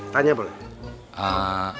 kenapa n ei ketemu n palang